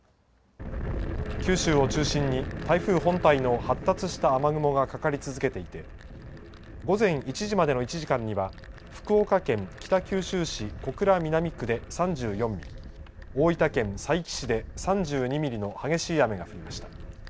九州を中心に台風本体の発達した雨雲がかかり続けていて、午前１時までの１時間には福岡県北九州市小倉南区で３４ミリ、大分県佐伯市で３２ミリの激しい雨が降りました。